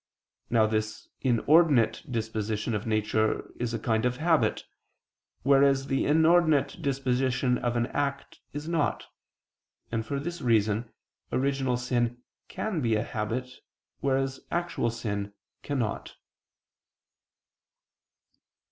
Now this inordinate disposition of nature is a kind of habit, whereas the inordinate disposition of an act is not: and for this reason original sin can be a habit, whereas actual sin cannot.